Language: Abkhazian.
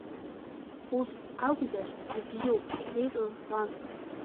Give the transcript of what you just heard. Ус акәзар, ибзиоуп, — иҳәеит Руслан.